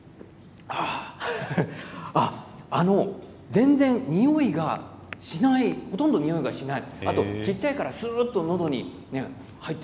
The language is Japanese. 全然においがしないほとんどしない。